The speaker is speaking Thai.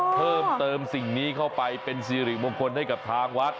เพิ่มเติมสิ่งนี้เข้าไปเป็นสิริมงคลให้กับทางวัด